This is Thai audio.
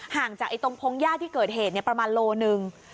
ห่างจากตรงพงหญ้าที่เกิดเหตุประมาณโลหนึ่ง